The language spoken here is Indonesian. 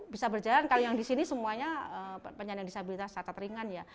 bisa berjalan kalau yang di sini semuanya penyandang disabilitas cacat ringan ya